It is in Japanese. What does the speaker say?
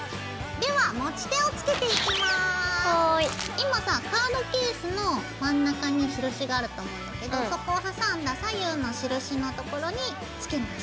今さカードケースの真ん中に印があると思うんだけどそこを挟んだ左右の印のところにつけます。